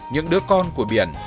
những đứa con của biển